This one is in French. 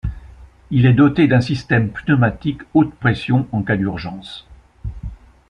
Il est doté d'une système pneumatique haute-pression en cas d'urgence.